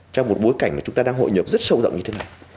trong một bối cảnh mà chúng ta đang hội nhập rất sâu rộng như thế này